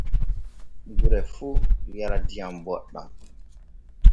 Gure fuu yara diam boɗɗan.